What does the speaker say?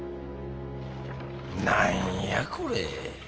何やこれ。